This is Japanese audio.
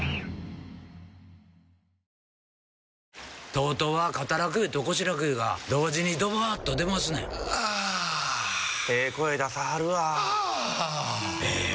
ＴＯＴＯは肩楽湯と腰楽湯が同時にドバーッと出ますねんあええ声出さはるわあええ